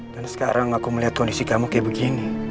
dan sekarang aku melihat kondisi kamu kayak begini